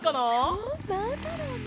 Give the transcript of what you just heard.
おおなんだろうね？